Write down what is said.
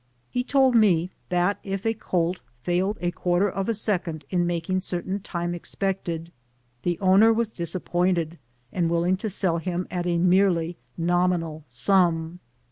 lie told me that if a colt failed a quarter of a second in making certain time expected, tlie owner was disappointed and willing to sell him at a merely nominal sum.